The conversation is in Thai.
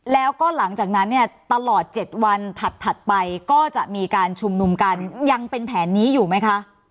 แล้วก็หลังจากนั้นเนี่ยตลอด๗วันถัดไปก็จะมีการชุมนุมกันยังเป็นแผนนี้อยู่ไหมคะ